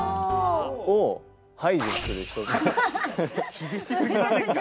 厳しすぎませんか？